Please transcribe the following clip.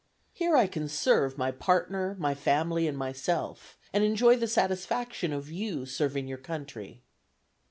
Here I can serve my partner, my family, and myself, and enjoy the satisfaction of your serving your country.